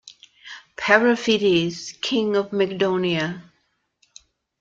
Periphetes, king of Mygdonia.